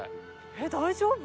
えっ大丈夫？